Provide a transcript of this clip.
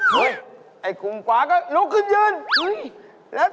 ไปหนีหลังแล้ว